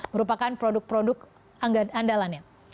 merupakan produk produk andalannya